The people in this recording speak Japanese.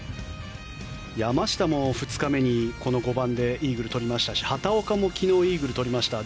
山下も２日目にこの５番でイーグルを取りましたし畑岡も昨日、イーグル取りました。